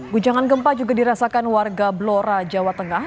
guncangan gempa juga dirasakan warga blora jawa tengah